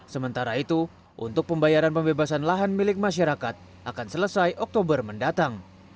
sementara itu untuk pembayaran pembebasan lahan milik masyarakat akan selesai oktober mendatang